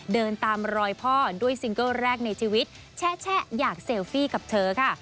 เดินตามรอยพ่อด้วยซิงเกิลแรกในชีวิตแชะอยากเซลฟี่กับเธอค่ะ